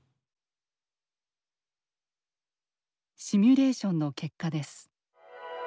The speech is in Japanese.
シミュレーションの結果です。